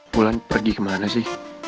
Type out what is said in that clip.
mulan pergi kemana sih